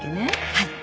はい。